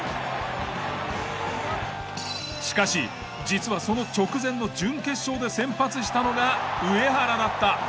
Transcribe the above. しかし実はその直前の準決勝で先発したのが上原だった。